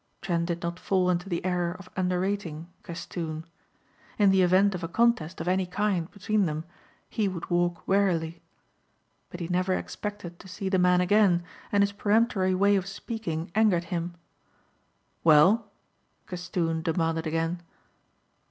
Trent did not fall into the error of underrating Castoon. In the event of a contest of any kind between them he would walk warily. But he never expected to see the man again and his peremptory way of speaking angered him. "Well?" Castoon demanded again.